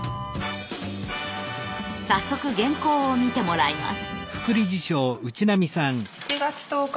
早速原稿を見てもらいます。